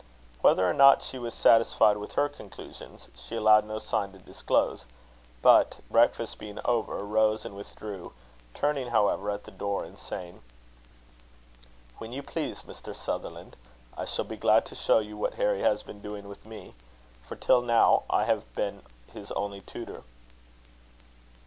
Whether or not she was satisfied with her conclusions, she allowed no sign to disclose; but, breakfast being over, rose and withdrew, turning, however, at the door, and saying: "When you please, Mr. Sutherland, I shall be glad to show you what Harry has been doing with me; for till now I have been his only tutor."